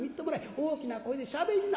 大きな声でしゃべりな』